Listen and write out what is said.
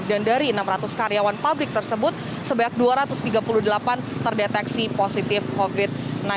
dan dari enam ratus karyawan pabrik tersebut sebanyak dua ratus tiga puluh delapan terdeteksi positif covid sembilan belas